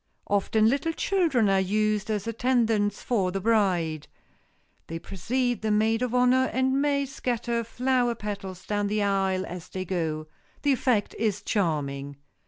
Often little children are used as attendants for the bride. They precede the maid of honor and may scatter flower petals down the aisle as they go. The effect is charming.